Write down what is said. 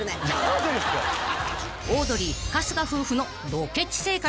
［オードリー春日夫婦のドケチ生活も］